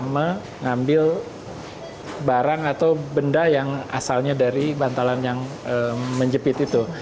mengambil barang atau benda yang asalnya dari bantalan yang menjepit itu